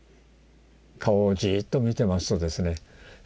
顔をじっと見てますとですね